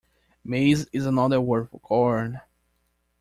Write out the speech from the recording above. Maize is another word for corn